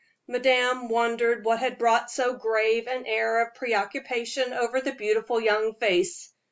Madame wondered what had brought so grave an air of preoccupation over the beautiful young face.